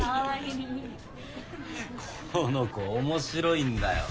この子面白いんだよ。